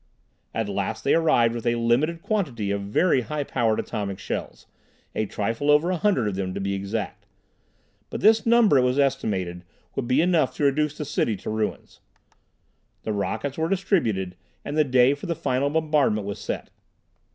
At last they arrived with a limited quantity of very high powered atomic shells, a trifle over a hundred of them to be exact. But this number, it was estimated, would be enough to reduce the city to ruins. The rockets were distributed, and the day for the final bombardment was set.